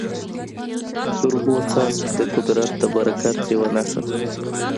د اوبو څاڅکي د قدرت د برکت یوه نښه ده.